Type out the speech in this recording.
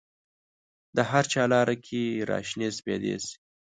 د هرچا لار کې را شنې سپیدې شي